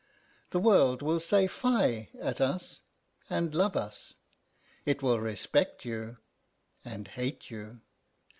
The world will say 'fie!' at us and love us; it will respect you and hate you.